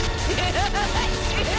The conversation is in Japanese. ハハハハ！